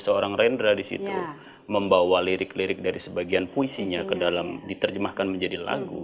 seorang rendra di situ membawa lirik lirik dari sebagian puisinya ke dalam diterjemahkan menjadi lagu